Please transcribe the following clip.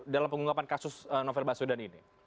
dalam pengunggapan kasus novel basudan ini